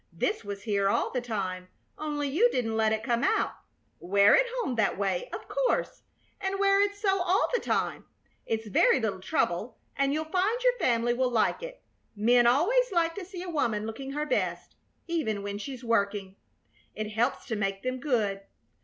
"This was here all the time, only you didn't let it come out. Wear it home that way, of course, and wear it so all the time. It's very little trouble, and you'll find your family will like it. Men always like to see a woman looking her best, even when she's working. It helps to make them good.